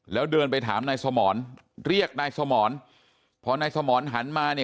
แล้วเดินไปถามนายสมรเรียกนายสมรพอนายสมรหันมาเนี่ย